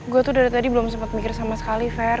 gue tuh dari tadi belum sempat mikir sama sekali fair